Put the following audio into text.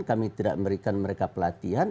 kami tidak memberikan mereka pelatihan